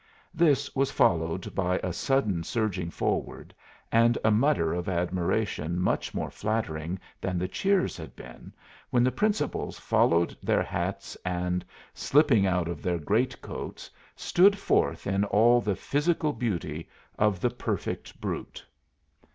This was followed by a sudden surging forward, and a mutter of admiration much more flattering than the cheers had been, when the principals followed their hats and, slipping out of their great coats, stood forth in all the physical beauty of the perfect brute.